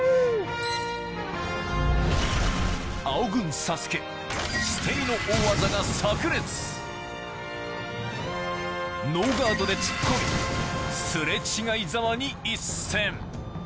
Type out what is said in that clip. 青軍・佐助捨て身の大技が炸裂ノーガードで突っ込み擦れ違いざまに一閃！